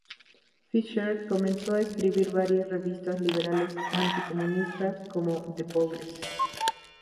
Fischer comenzó a escribir para revistas liberales anticomunistas, como "The Progressive".